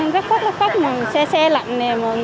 rất khóc rất khóc xe xe lạnh